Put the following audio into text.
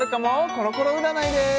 コロコロ占いです